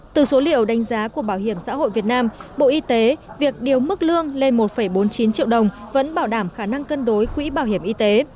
từ số liệu đánh giá của bảo hiểm xã hội việt nam bộ y tế việc điều mức lương lên một bốn mươi chín triệu đồng vẫn bảo đảm khả năng cân đối quỹ bảo hiểm y tế